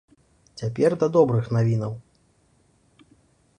Цяпер да добрых навінаў.